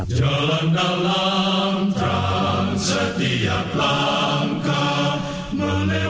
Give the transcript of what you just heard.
bapak telah melihat kehidupan bukan satu sisi